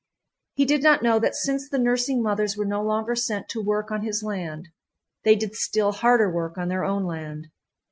He did not know that since the nursing mothers were no longer sent to work on his land, they did still harder work on their own land.